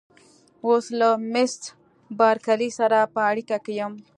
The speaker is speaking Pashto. اوس له مېس بارکلي سره په اړیکه کې یم.